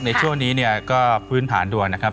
ในช่วงนี้เนี่ยก็พื้นฐานดวงนะครับ